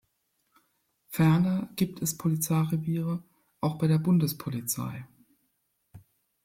Ferner gibt es Polizeireviere auch bei der Bundespolizei.